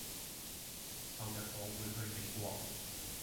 後日我會去美國